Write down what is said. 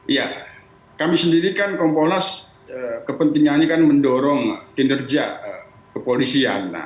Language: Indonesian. iya kami sendiri kan komponas kepentingannya kan mendorong kinerja kepolisian